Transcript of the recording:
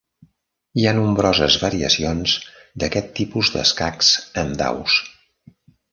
Hi ha nombroses variacions d'aquest tipus d'escacs amb daus.